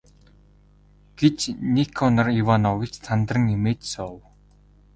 гэж Никанор Иванович сандран эмээж асуув.